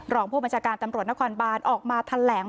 รองผู้บัญชาการตำรวจนครบานออกมาแถลง